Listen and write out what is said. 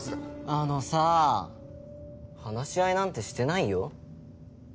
あのさ話し合いなんてしてないよ。